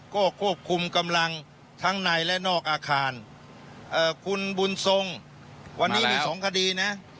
ก็ควบคุมกำลังทั้งในและนอกอาคารคุณบุญทรงวันนี้มีสองคดีนะ